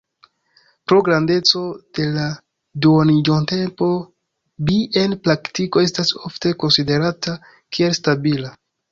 Pro grandeco de la duoniĝotempo, Bi en praktiko estas ofte konsiderata kiel stabila.